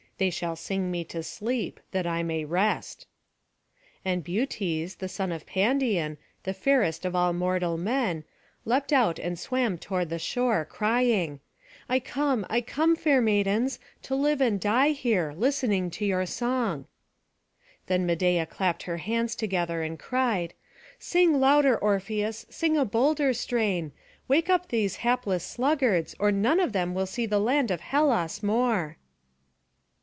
They shall sing me to sleep, that I may rest." And Butes, the son of Pandion, the fairest of all mortal men, leapt out and swam toward the shore, crying, "I come, I come, fair maidens, to live and die here, listening to your song." Then Medeia clapped her hands together, and cried, "Sing louder, Orpheus, sing a bolder strain; wake up these hapless sluggards, or none of them will see the land of Hellas more."